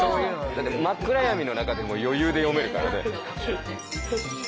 だって真っ暗闇の中でも余裕で読めるからね。